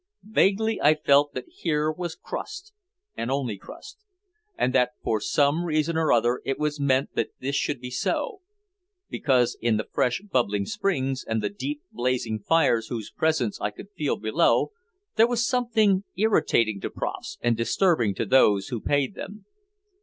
Vaguely I felt that here was crust and only crust, and that for some reason or other it was meant that this should be so, because in the fresh bubbling springs and the deep blazing fires whose presence I could feel below there was something irritating to profs and disturbing to those who paid them.